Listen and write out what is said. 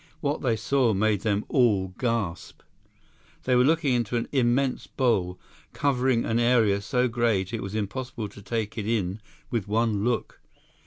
What they saw made them all gasp. They were looking into an immense bowl, covering an area so great it was impossible to take it in with one look.